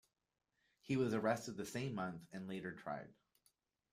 He was arrested the same month and later tried.